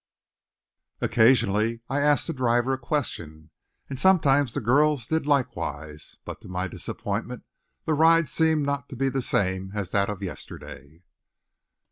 Occasionally I asked the driver a question, and sometimes the girls did likewise; but, to my disappointment, the ride seemed not to be the same as that of yesterday.